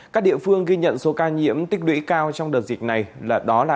các địa phương ghi nhận số ca nhiễm tích lũy cao trong đợt dịch này là đó là